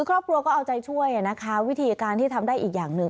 ครอบครัวก็เอาใจช่วยนะคะวิธีการที่ทำได้อีกอย่างหนึ่ง